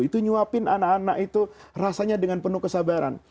itu nyuapin anak anak itu rasanya dengan penuh kesabaran